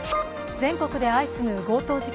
全国で相次ぐ強盗事件。